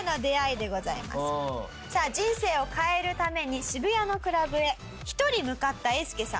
さあ人生を変えるために渋谷のクラブへ１人向かったえーすけさん。